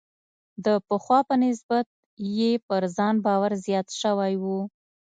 د پخوا په نسبت یې پر ځان باور زیات شوی و.